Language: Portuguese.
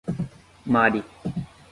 Mari